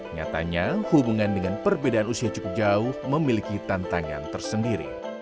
nyatanya hubungan dengan perbedaan usia cukup jauh memiliki tantangan tersendiri